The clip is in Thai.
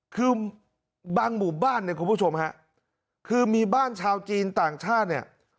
คือบางหมู่บ้านเนี่ยคุณผู้ชมฮะคือมีบ้านชาวจีนต่างชาติเนี่ย